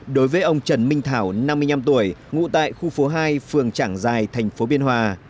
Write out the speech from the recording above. đối với ông trần minh thảo năm mươi năm tuổi ngụ tại khu phố hai phường trảng giai tp biên hòa